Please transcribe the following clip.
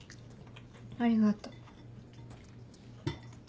ありがとう。